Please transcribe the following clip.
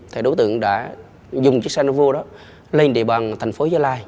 thì đối tượng đã dùng chiếc xe nông vua đó lên địa bàn thành phố gia lai